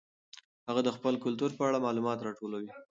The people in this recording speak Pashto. هغه د خپل کلتور په اړه معلومات راټولوي.